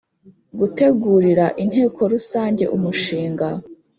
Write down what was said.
Gutegurira Inteko rusange umushinga